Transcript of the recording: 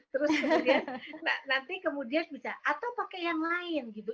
terus kemudian nanti kemudian bisa atau pakai yang lain gitu